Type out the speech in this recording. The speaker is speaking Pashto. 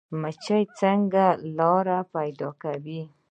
مچۍ څنګه لاره پیدا کوي؟